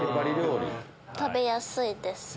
食べやすいです。